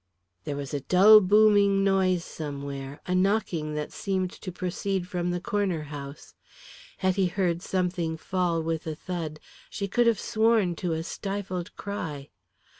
There was a dull booming noise somewhere, a knocking that seemed to proceed from the Corner House. Hetty heard something fall with a thud, she could have sworn to a stifled cry.